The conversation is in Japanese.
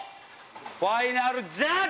ファイナルジャッジ？